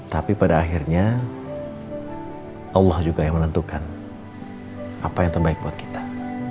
tapi pada akhirnya allah juga yang menentukan apa yang terbaik buat kita